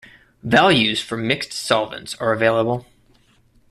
Values for mixed solvents are available.